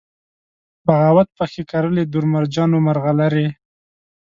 بغاوت پکښې کرلي دُر، مرجان و مرغلرې